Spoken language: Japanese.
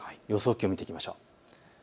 気温を見ていきましょう。